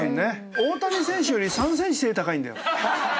大谷選手より３ｃｍ背高いんだよ。